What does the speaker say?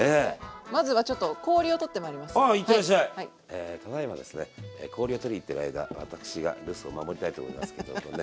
えただいまですね氷を取りに行ってる間私が留守を守りたいと思いますけどもね。